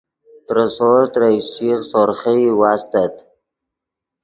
ترے سور ترے اشچیغ سورخئی واستت